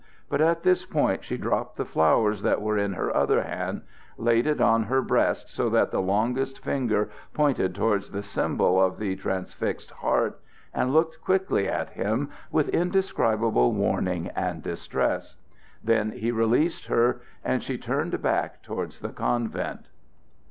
But at this point she dropped the flowers that were in her other hand, laid it on her breast so that the longest finger pointed towards the symbol of the transfixed heart, and looked quickly at him with indescribable warning and distress. Then he released her, and she turned back towards the convent.